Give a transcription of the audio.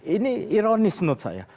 ini ironis menurut saya